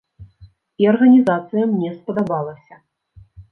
І арганізацыя мне спадабалася.